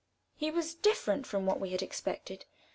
He was different from what we had expected.